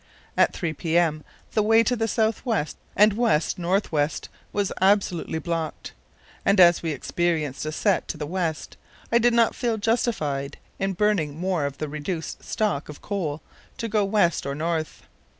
At 3 p.m. the way to the south west and west north west was absolutely blocked, and as we experienced a set to the west, I did not feel justified in burning more of the reduced stock of coal to go west or north.